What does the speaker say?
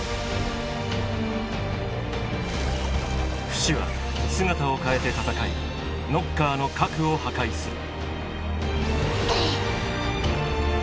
フシは姿を変えて戦いノッカーの「核」を破壊する。